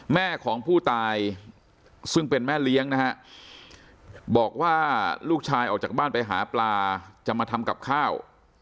แม่ของผู้ตายซึ่งเป็นแม่เลี้ยงนะฮะบอกว่าลูกชายออกจากบ้านไปหาปลาจะมาทำกับข้าว